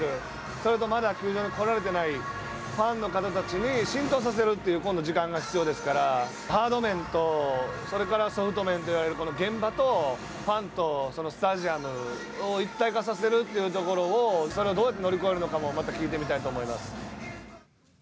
それとまだ球場に来られてないファンの方たちに浸透させるという、今度時間が必要ですから、ハード面と、それからソフト面といわれる、現場と、ファンと、スタジアム、一体化させるというところを、どうやって乗り越えるのかもまた聞いてみたいと思います。